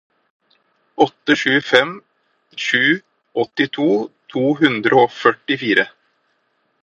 åtte sju fem sju åttito to hundre og førtifire